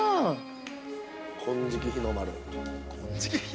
◆金色日の丸。